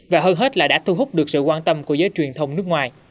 và hơn hết là đã thu hút được sự quan tâm của giới truyền thông nước ngoài